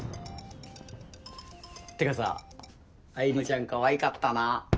てかさ愛梨ちゃんかわいかったな。